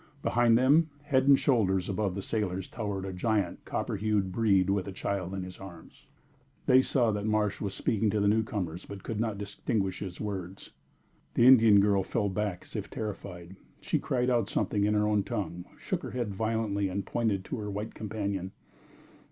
Behind them, head and shoulders above the sailors, towered a giant copper hued breed with a child in his arms. They saw that Marsh was speaking to the newcomers, but could not distinguish his words. The Indian girl fell back as if terrified. She cried out something in her own tongue, shook her head violently, and pointed to her white companion.